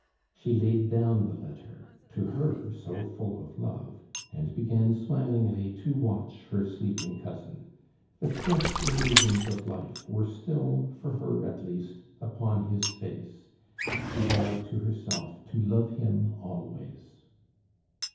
She laid down the letter to her so full of love and began smilingly to watch her sleeping cousin; the fresh illusions of life were still, for her at least, upon his face; she vowed to herself to love him always.